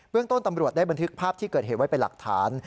เรื่องต้นตำรวจได้บันทึกภาพที่เกิดเหตุไว้เป็นหลักฐาน